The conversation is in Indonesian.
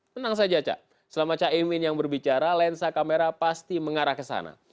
tenang saja cak selama caimin yang berbicara lensa kamera pasti mengarah ke sana